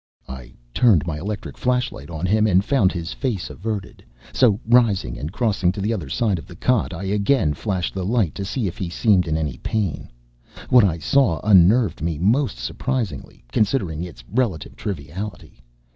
I turned my electric flashlight on him and found his face averted; so rising and crossing to the other side of the cot, I again flashed the light to see if he seemed in any pain. What I saw unnerved me most surprisingly, considering its relative triviality.